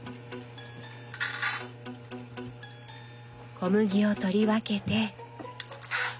小麦を取り分けて。